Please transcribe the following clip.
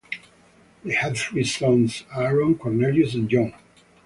They had three sons, Aaron, Cornelius, and John.